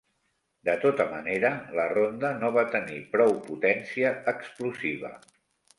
De tota manera, la ronda no va tenir prou potència explosiva.